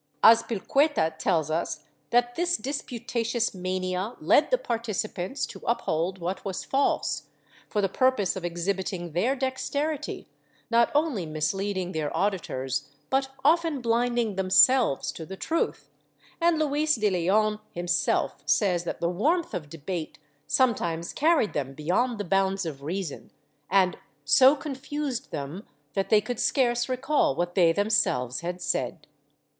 Azpilcueta tells us that this disputatious mania led the participants to uphold what was false, for the pur pose of exhibiting their dexterity, not only misleading their audi tors but often blinding themselves to the truth, and Luis de Leon himself says that the warmth of debate sometimes carried them beyond the bounds of reason, and so confused them that they could scarce recall what they themselves had said.